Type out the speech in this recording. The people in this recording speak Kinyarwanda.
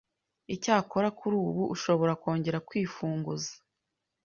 Icyakora kuri ubu ushobora kongera kwifunguza,